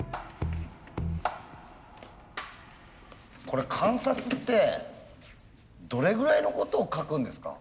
これ観察ってどれぐらいのことを書くんですか？